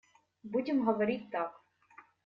Будем говорить так.